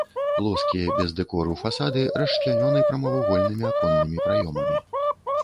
Плоскія без дэкору фасады расчлянёны прамавугольнымі аконнымі праёмамі.